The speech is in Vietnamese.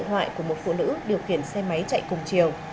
điện thoại của một phụ nữ điều khiển xe máy chạy cùng chiều